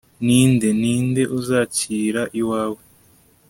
ni nde? ni nde uzakira iwawe